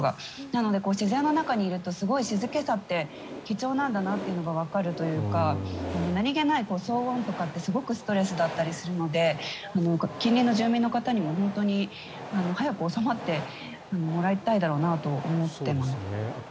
なので自然の中にいるとすごい静けさって貴重なんだなというのがわかるというか何気ない騒音とかってすごくストレスだったりするので近隣の住民の方も本当に早く収まってもらいたいと思っているだろうなと。